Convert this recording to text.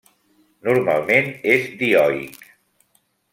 Normalment és dioic.